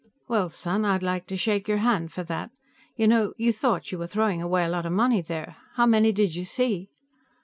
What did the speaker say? "Well, son, I'd like to shake your hand for that. You know, you thought you were throwing away a lot of money there. How many did you see?"